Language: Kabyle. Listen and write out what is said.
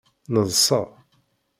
Neḍsa.